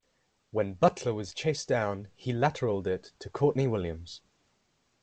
When Butler was chased down, he lateraled it to Courtney Williams.